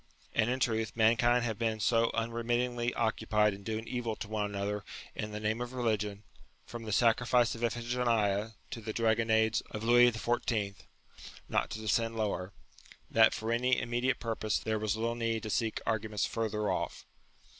And, in truth, mankind have been so unremittingly occupied in doing evil to one another in the name UTILITY OF RELIGION 75 of religion, from the sacrifice of Iphigenia to the Dragonnades of Louis XIV. (not to descend lower), that for any immediate purpose there was little need to seek arguments further off.